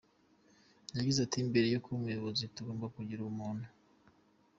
Yagize ati” Mbere yo kuba umuyobozi tugomba kugira ubumuntu.